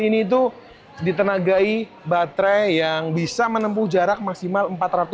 ini itu ditenagai baterai yang bisa menempuh jarak maksimal